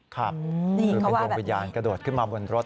คือเป็นดวงวิญญาณกระโดดขึ้นมาบนรถ